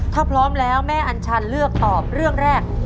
ถ้าพร้อมแล้วแม่อัญชันเลือกตอบเรื่องแรก